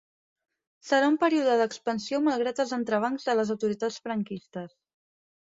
Serà un període d'expansió malgrat els entrebancs de les autoritats franquistes.